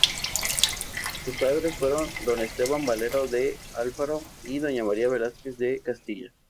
Sus padres fueron Don Esteban Valero de Alfaro y Doña María Velázquez de Castilla.